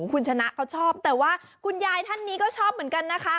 คุณชนะเขาชอบแต่ว่าคุณยายท่านนี้ก็ชอบเหมือนกันนะคะ